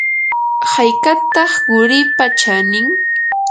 ¿haykataq quripa chanin?